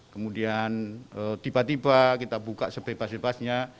kemudian tiba tiba kita buka sebebas bebasnya